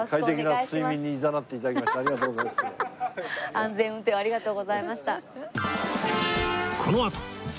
安全運転をありがとうございました。